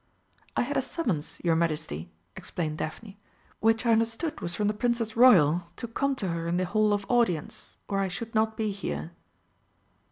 "I had a summons, your Majesty," explained Daphne, "which I understood was from the Princess Royal, to come to her in the Hall of Audience, or I should not be here."